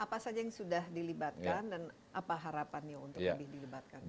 apa saja yang sudah dilibatkan dan apa harapannya untuk lebih dilibatkan